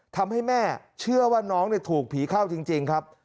ทำให้แม่เชื่อว่าน้องถูกผีเข้าจริงครับ